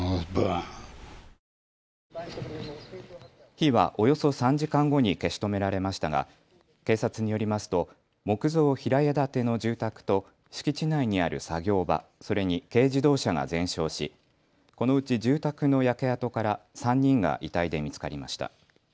火はおよそ３時間後に消し止められましたが警察によりますと木造平屋建ての住宅と敷地内にある作業場、それに軽自動車が全焼しこのうち住宅の焼け跡から３人が遺体で見つかりました。